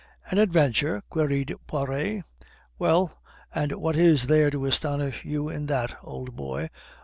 "An adventure?" queried Poiret. "Well, and what is there to astonish you in that, old boy?"